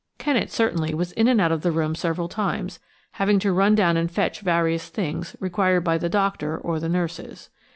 Kennet certainly was in and out of the room several times, having to run down and fetch various things required by the doctor or the nurses.